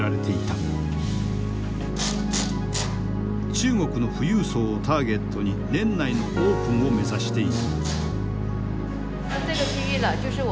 中国の富裕層をターゲットに年内のオープンを目指している。